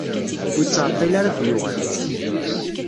Ur yettɛeṭṭil ara ad d-yuɣal.